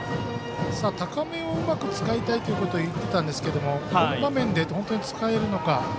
高めをうまく使いたいということを言っていたんですけれどもこの場面で本当に使えるのか。